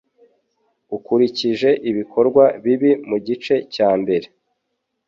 ukurikije ibikorwa bibi mugice cya mbere